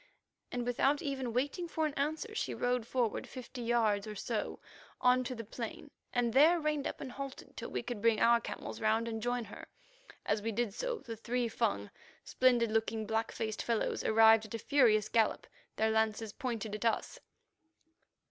And without even waiting for an answer, she rode forward fifty yards or so on to the plain, and there reined up and halted till we could bring our camels round and join her. As we did so, the three Fung, splendid looking, black faced fellows, arrived at a furious gallop, their lances pointed at us.